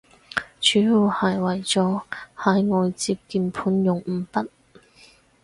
主要係為咗喺外接鍵盤用五筆